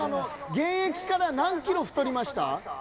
現役から何キロ太りました？